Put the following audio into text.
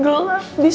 gelap di sana